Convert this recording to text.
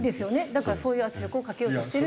だからそういう圧力をかけようとしてる。